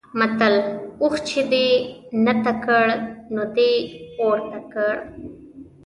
متل: اوښ چې دې نته کړ؛ نو دی عورته کړ.